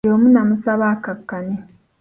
Buli omu namusaba akakkane.